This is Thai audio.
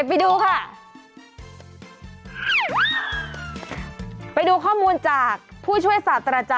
สวัสดีคุณชิสานะฮะสวัสดีคุณชิสานะฮะ